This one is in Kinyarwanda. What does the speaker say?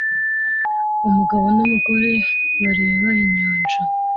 Umugabo numugore bareba inyanja